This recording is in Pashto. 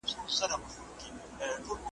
پردې ځمکه قيامونه .